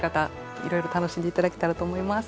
いろいろ楽しんで頂けたらと思います。